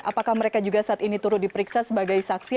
apakah mereka juga saat ini turut diperiksa sebagai saksi